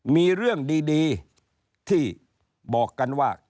มีเรื่องดีที่บอกกันว่า